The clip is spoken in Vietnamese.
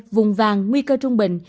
vùng vàng nguy cơ trung bình